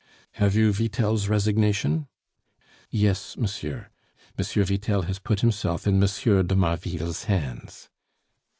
"Have you Vitel's resignation?" "Yes, monsieur. M. Vitel has put himself in M. de Marville's hands."